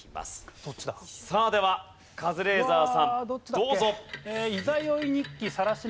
さあではカズレーザーさんどうぞ。